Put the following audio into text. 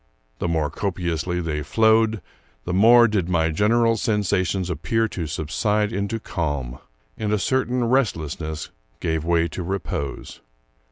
The more copiously they flowed, the more did my general sensations appear to subside into calm, and a certain restlessness give way to repose.